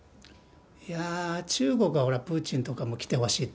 いやー、中国はプーチンとかも来てほしいって。